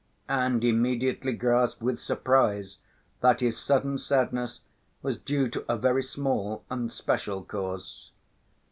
and immediately grasped with surprise that his sudden sadness was due to a very small and special cause.